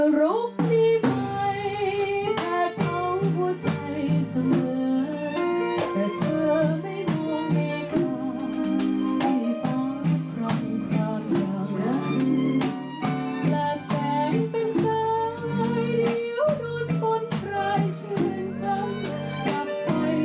และแสงเป็นทวายเดียว